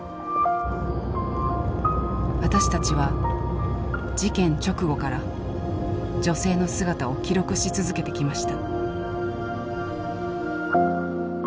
私たちは事件直後から女性の姿を記録し続けてきました。